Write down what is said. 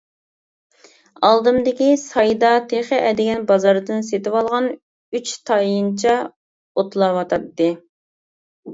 ئالدىمدىكى سايدا تېخى ئەتىگەن بازاردىن سېتىۋالغان ئۈچ تايىنچا ئوتلاۋاتاتتى.